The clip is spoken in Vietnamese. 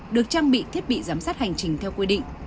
được trang bị thiết bị giám sát hành trình theo quy định